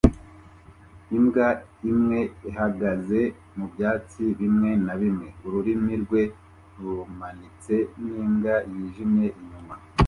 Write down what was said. imbwa imwe ihagaze mu byatsi bimwe na bimwe ururimi rwe rumanitse n'imbwa yijimye inyuma